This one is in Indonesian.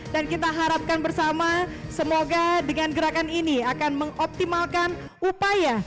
dan kita harapkan bersama semoga dengan gerakan ini akan mengoptimalkan upaya